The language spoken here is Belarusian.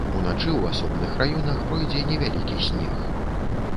Уначы ў асобных раёнах пройдзе невялікі снег.